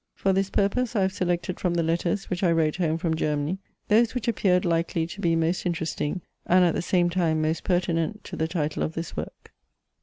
For this purpose I have selected from the letters, which I wrote home from Germany, those which appeared likely to be most interesting, and at the same time most pertinent to the title of this work.